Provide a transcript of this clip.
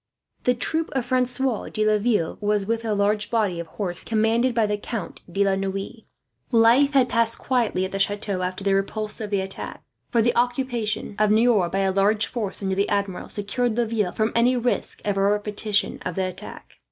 The troop of Francois de Laville was with a large body of horse, commanded by the Count de la Noue. Life had passed quietly at the chateau, after the repulse of the attack; for the occupation of Niort by a large force, under the Admiral, secured Laville from any risk of a repetition of the attack.